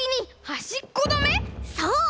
そう！